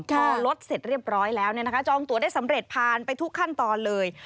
พอลดเสร็จเรียบร้อยแล้วจองตัวได้สำเร็จผ่านไปทุกขั้นตอนเลย